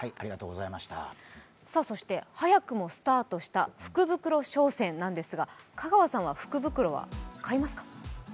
早くもスタートした福袋商戦なんですが香川さんは、福袋は買いますか？